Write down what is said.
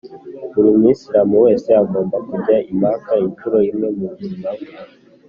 buri mwisilamu wese agomba kujya i maka incuro imwe mu buzima bwe.